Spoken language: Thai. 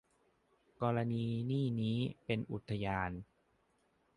กรณีนี่นี้ เป็นอุทยาน